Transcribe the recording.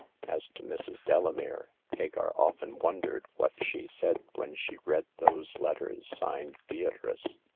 As to Mrs. Dela mere, Hagar often wondered what she said when she read those letters signed " Beatrice.''